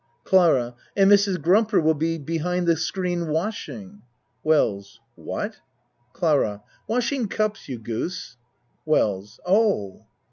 CLARA And Mrs. Grumper will be behind the screen washing. WELLS What? CLARA Washing cups, you goose! WELLS Oh!